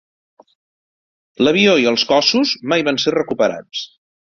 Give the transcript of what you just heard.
L'avió i els cossos mai van ser recuperats.